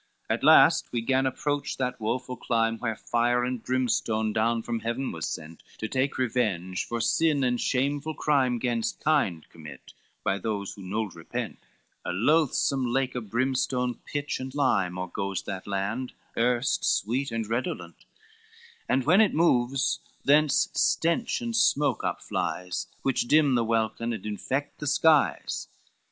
LXI "At last we gan approach that woful clime, Where fire and brimstone down from Heaven was sent To take revenge for sin and shameful crime Gainst kind commit, by those who nould repent; A loathsome lake of brimstone, pitch and lime, O'ergoes that land, erst sweet and redolent, And when it moves, thence stench and smoke up flies Which dim the welkin and infect the skies.